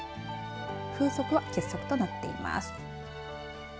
風速は欠測となっています。